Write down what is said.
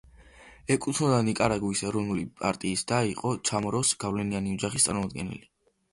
ეკუთვნოდა ნიკარაგუის ეროვნული პარტიას და იყო ჩამოროს გავლენიანი ოჯახის წარმომადგენელი.